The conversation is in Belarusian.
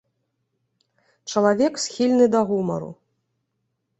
Чалавек, схільны да гумару.